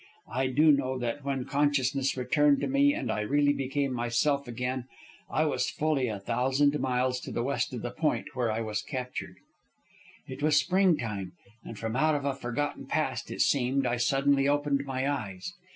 I do know that when consciousness returned to me and I really became myself again, I was fully a thousand miles to the west of the point where I was captured. "It was springtime, and from out of a forgotten past it seemed I suddenly opened my eyes.